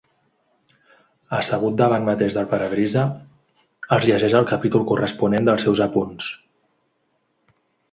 Assegut davant mateix del parabrisa els llegeix el capítol corresponent dels seus apunts.